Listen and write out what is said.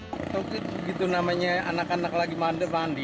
ketua rt menemukan motor di aliran sungai irigasi sasak serong